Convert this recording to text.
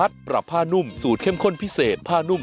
คาวใส่ไทยสดใหม่